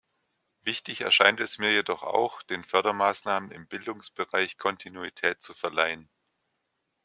Wichtig erscheint es mir jedoch auch, den Fördermaßnahmen im Bildungsbereich Kontinuität zu verleihen.